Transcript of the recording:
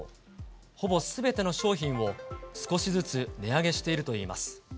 ほぼすべての商品を、少しずつ値上げしているといいます。